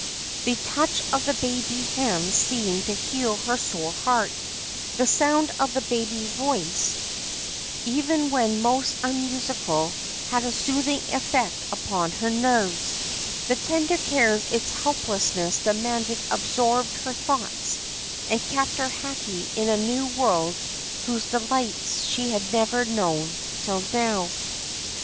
The touch of the baby hands seemed to heal her sore heart; the sound of the baby voice, even when most unmusical, had a soothing effect upon her nerves; the tender cares its helplessness demanded absorbed her thoughts, and kept her happy in a new world whose delights she had never known till now.